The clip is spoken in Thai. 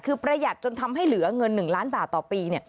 คือประหยัดจนทำให้เหลือเงิน๑ล้านบาทต่อปี